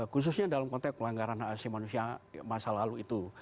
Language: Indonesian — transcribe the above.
khususnya dalam konteks pelanggaran hak asasi manusia masa lalu itu